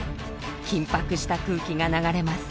緊迫した空気が流れます。